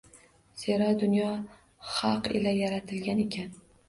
Zero dunyo haq ila yaratilgan ekan